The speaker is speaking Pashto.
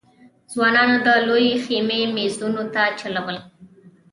ځوانانو د لويې خېمې مېزونو ته چلول.